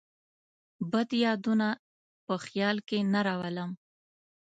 بد یادونه په خیال کې نه راولم.